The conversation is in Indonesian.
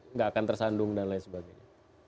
nggak akan tersandung dan lain sebagainya